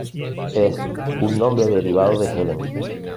Es un nombre derivado de Helen.